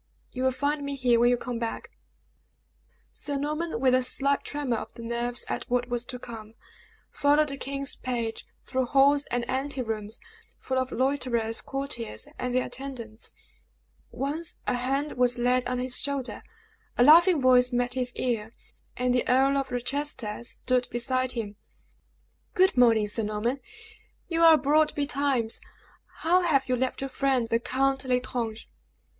"You will find me here when you come back." Sir Norman, with a slight tremor of the nerves at what was to come, followed the king's page through halls and anterooms, full of loiterers, courtiers, and their attendants. Once a hand was laid on his shoulder, a laughing voice met his ear, and the Earl of Rochester stood beside him! "Good morning, Sir Norman; you are abroad betimes. How have you left your friend, the Count L'Estrange?"